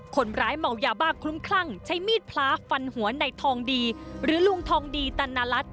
คนร้ายเมายาบ้าคลุ้มคลั่งใช้มีดพล้าฟันหัวในทองดีหรือลุงทองดีตันนรัฐ